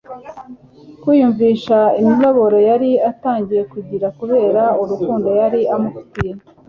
kwiyumvisha imibabaro yari atangiye kugira kubera urukundo yari amufitiye.